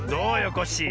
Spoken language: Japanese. コッシー。